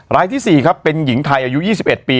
รายที่๔ครับเป็นหญิงไทยอายุ๒๑ปี